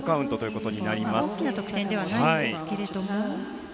大きな得点ではないんですけれども。